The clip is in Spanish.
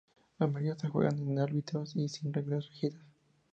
La mayoría se juegan sin árbitros, y sin reglas rígidas.